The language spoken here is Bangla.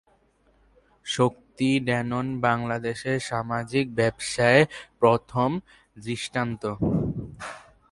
শক্তি-ড্যানোন বাংলাদেশে সামাজিক ব্যবসায়ের প্রথম দৃষ্টান্ত।